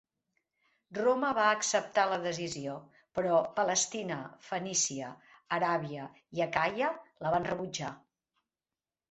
Roma va acceptar la decisió, però Palestina, Fenícia, Aràbia i Acaia la van rebutjar.